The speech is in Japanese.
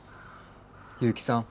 結城さん